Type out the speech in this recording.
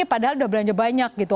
padahal udah belanja banyak gitu